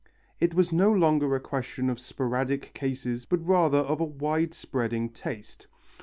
It was no longer a question of sporadic cases but rather of a wide spreading taste.